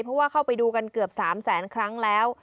เพราะว่าเข้าไปดูกันเกือบ๓แสนครั้งแล้ว